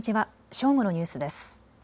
正午のニュースです。